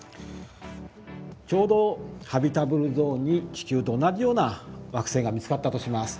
ちょうどハビタブルゾーンに地球と同じような惑星が見つかったとします。